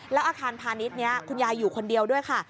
แล้วอาคารพาณิชย์นี้คุณยายอยู่คนเดียวด้วยค่ะ